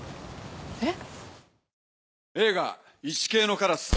えっ？